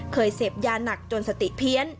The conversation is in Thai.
เสพยาหนักจนสติเพี้ยน